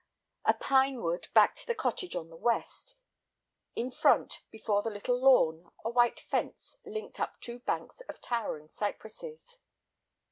A pine wood backed the cottage on the west; in front, before the little lawn, a white fence linked up two banks of towering cypresses.